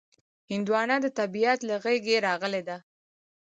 هندوانه د طبیعت له غېږې راغلې ده.